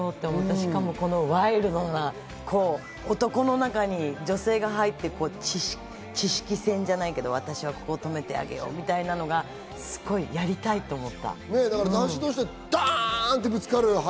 しかもワイルドな男の中に女性が入って、知識戦じゃないけど私はこう止めてあげようみたいなのがすごいやりたいと思った。